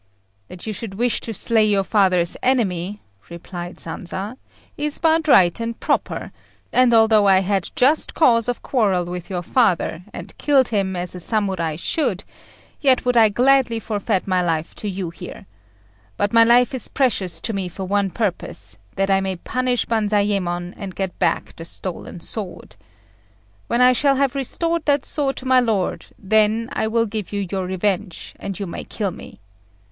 "That you should wish to slay your father's enemy," replied Sanza, "is but right and proper; and although I had just cause of quarrel with your father, and killed him, as a Samurai should, yet would I gladly forfeit my life to you here; but my life is precious to me for one purpose that I may punish Banzayémon and get back the stolen sword. When I shall have restored that sword to my lord, then will I give you your revenge, and you may kill me.